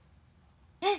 えっ？